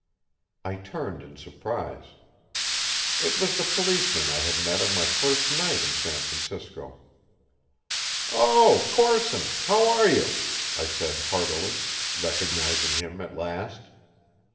I turned in surprise. It was the policeman I had met on my first night in San Francisco. "Oh, Corson, how are you?" I said heartily, recognizing him at last.